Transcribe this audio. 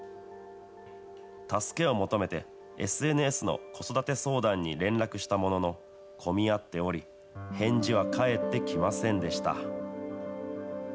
助けを求めて、ＳＮＳの子育て相談に連絡したものの、混み合っており、返事は返ってきませんでした。